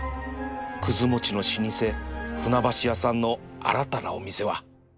くず餅の老舗船橋屋さんの新たなお店は